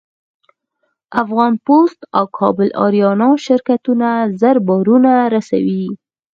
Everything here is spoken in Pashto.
افغان پسټ او کابل اریانا شرکتونه زر بارونه رسوي.